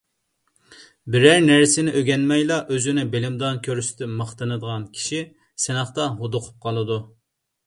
بىرەر نەرسىنى ئۆگەنمەيلا ئۆزىنى بىلىمدان كۆرسىتىپ ماختىنىدىغان كىشى سىناقتا ھودۇقۇپ قالىدۇ!